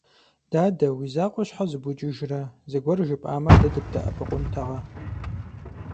Дадэ, уи закъуэ щхьэ зыбукӀыжрэ, зыгуэр жыпӀамэ, дэ дыбдэӀэпыкъунтэкъэ?